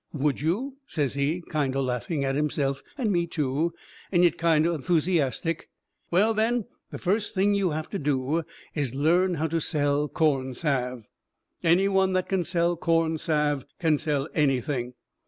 "Would you?" says he, kind o' laughing at himself and me too, and yet kind o' enthusiastic, "well, then, the first thing you have to do is learn how to sell corn salve. Any one that can sell corn salve can sell anything.